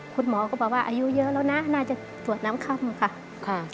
คุณหมอก็บอกว่าอายุเยอะแล้วนะน่าจะสวดน้ำค่ำค่ะ